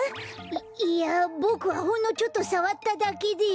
いいやボクはほんのちょっとさわっただけで。